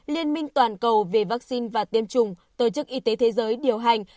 liên minh toàn cầu về vaccine và tiêm chủng tổ chức y tế thế giới điều hành